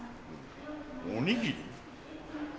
おにぎり？